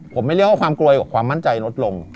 ผมไม่เรียกว่าความกลัวความมั่นใจลดลง